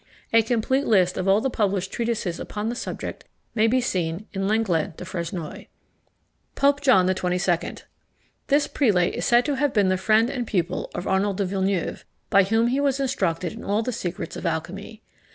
A complete list of all the published treatises upon the subject may be seen in Lenglet du Fresnoy. POPE JOHN XXII. This prelate is said to have been the friend and pupil of Arnold de Villeneuve, by whom he was instructed in all the secrets of alchymy.